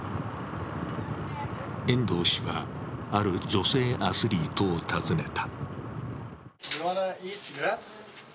遠藤氏は、ある女性アスリートを訪ねた。